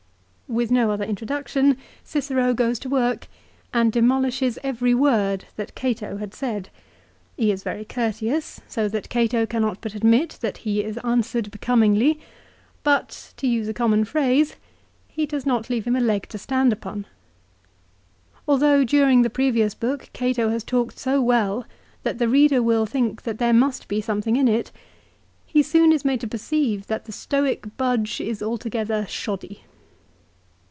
1 With no other introduction Cicero goes to work and demolishes every word that Cato had said. He is very courteous, so that Cato cannot but admit that he is answered becomingly ; but, to use a common phrase, he does not leave him a leg to stand upon. Although during the previous book Cato has talked so well that the reader will think that there must be something in it, he soon is made to perceive that the Stoic budge is altogether shoddy.